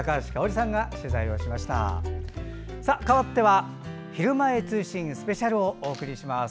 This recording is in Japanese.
かわっては「ひるまえ通信ＳＰ」をお送りします。